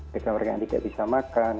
mereka mereka yang tidak bisa makan